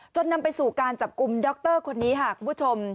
นำไปสู่การจับกลุ่มดรคนนี้ค่ะคุณผู้ชม